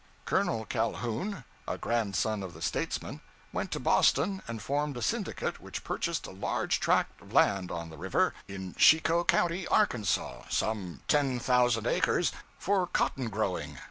Colonel Calhoun, a grandson of the statesman, went to Boston and formed a syndicate which purchased a large tract of land on the river, in Chicot County, Arkansas some ten thousand acres for cotton growing.